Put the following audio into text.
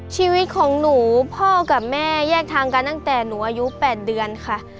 ชีวิตของหนูพ่อกับแม่แยกทางกันตั้งแต่หนูอายุ๘เดือนค่ะ